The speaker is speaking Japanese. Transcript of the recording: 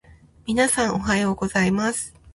皆さん、おはようございます。